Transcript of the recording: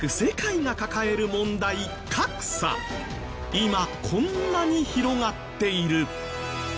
今こんなに広がっている。